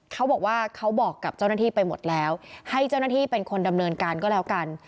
เขาบอกว่าเขาบอกกับเจ้าหน้าที่ไปหมดแล้วให้เจ้าหน้าที่เป็นคนดำเนินการก็แล้วกัน